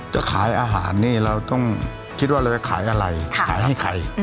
จะขายอาหารนี่เราต้องคิดว่าเราจะขายอะไรขายให้ใคร